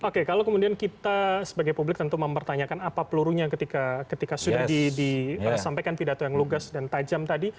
oke kalau kemudian kita sebagai publik tentu mempertanyakan apa pelurunya ketika sudah disampaikan pidato yang lugas dan tajam tadi